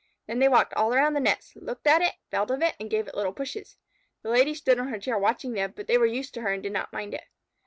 Then they walked all around the nest, looked at it, felt of it, and gave it little pushes. The Lady stood on her chair watching them, but they were used to her and did not mind it.